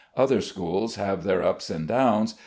Other schools have their ups and downs.